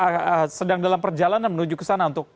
jadi alat berat sedang dalam perjalanan menuju ke sana untuk